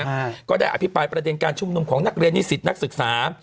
อ่าก็ได้อภิปรายประเด็นการชุมนุมของนักเรียนนิสิตนักศึกษา